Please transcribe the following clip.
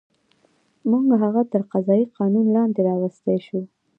موږ هغه تر قضایي قانون لاندې راوستی شو.